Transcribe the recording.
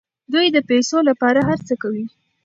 دوی د پیسو لپاره هر څه کوي.